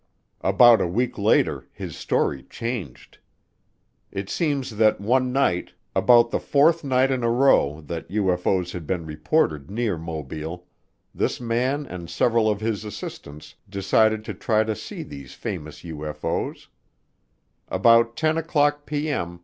About a week later his story changed. It seems that one night, about the fourth night in a row that UFO's had been reported near Mobile, this man and several of his assistants decided to try to see these famous UFO's; about 10:00P.M.